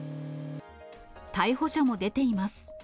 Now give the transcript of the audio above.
逮捕者も出ています。